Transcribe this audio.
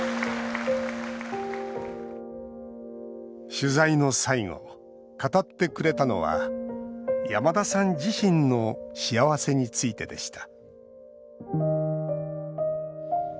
取材の最後、語ってくれたのは山田さん自身の幸せについてでした。